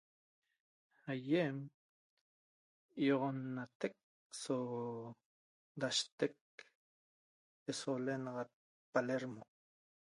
Aýem ýi'oxonnatec so da'aistec so l'enaxat Palermo